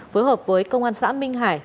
phối hợp với công an xã minh hải